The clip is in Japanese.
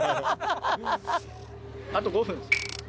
あと５分です。